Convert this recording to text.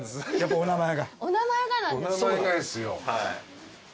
お名前がですよ。